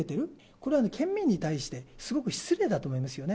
これは県民に対してすごく失礼だと思いますよね。